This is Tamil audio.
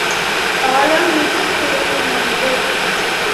காலம் மிகக் குழப்பமானது.